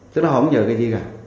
tức là họ không nhớ cái gì cả